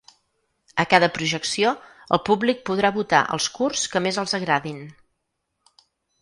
A cada projecció, el públic podrà votar els curts que més els agradin.